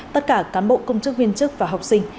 tất cả cán bộ công chức viên chức và học sinh